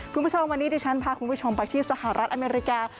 คุณผู้ชมวันนี้ดิฉันพาคุณผู้ชมไปที่สหรัฐอเมริกา